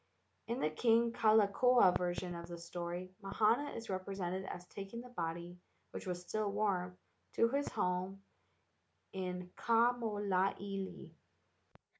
In the King Kalakaua version of the story Mahana is represented as taking the body, which was still warm, to his home in Kamoiliili.